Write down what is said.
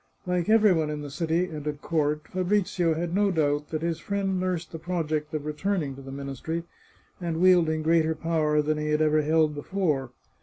Like every one in the city and at court, Fabrizio had no doubt that his friend nursed the project of returning to the ministry, and wielding greater power than he had ever held before.